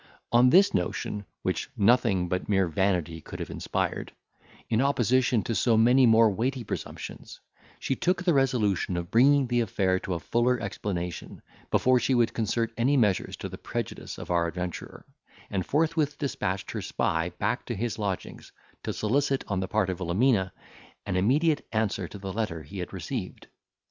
On this notion, which nothing but mere vanity could have inspired, in opposition to so many more weighty presumptions, she took the resolution of bringing the affair to a fuller explanation, before she would concert any measures to the prejudice of our adventurer, and forthwith despatched her spy back to his lodgings, to solicit, on the part of Wilhelmina, an immediate answer to the letter he had received.